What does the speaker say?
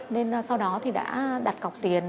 nên sau đó đã đặt cọc tiền